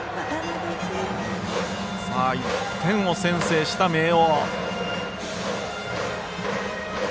１点を先制した明桜。